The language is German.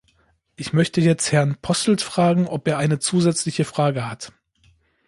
Ich möchte jetzt Herrn Posselt fragen, ob er eine zusätzliche Frage hat.